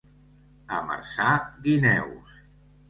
A Marçà, guineus.